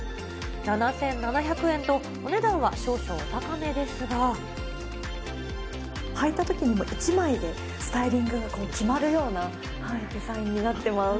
７７００円と、お値段は少々お高はいたときに、もう１枚でスタイリングが決まるようなデザインになっています。